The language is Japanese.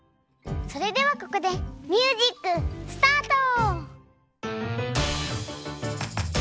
それではここでミュージックスタート！